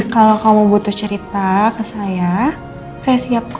kalau kamu butuh cerita ke saya saya siap kok